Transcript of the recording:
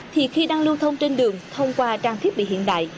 thì khi đang lưu thông trên đường thông qua trang thiết bị hiện đại